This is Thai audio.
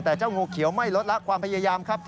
แต่เจ้างูเขียวไม่ลดละความพยายามครับ